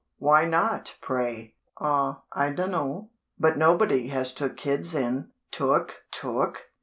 Why not, pray?" "Aw! I dunno; but nobody has took kids in." "Took? Took?